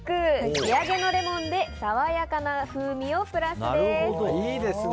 仕上げのレモンでさわやかな風味をプラスです。